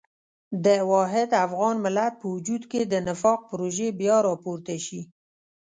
د واحد افغان ملت په وجود کې د نفاق پروژې بیا راپورته شي.